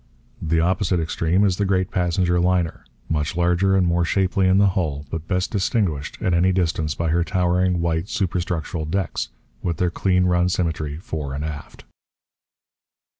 The opposite extreme is the great passenger liner, much larger and more shapely in the hull; but best distinguished, at any distance, by her towering, white, superstructural decks, with their clean run symmetry fore and aft.